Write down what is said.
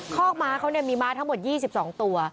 คอกม้าเขามีม้าทั้งหมด๒๒ตัว